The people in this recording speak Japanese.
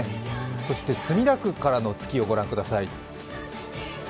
そして墨田区からの月をご覧ください。